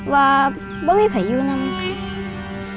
ว่าไม่มีไผ่อยู่น้ำมัน